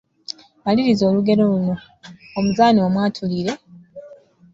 Maliriza olugero luno. Omuzaana omwatulire, …..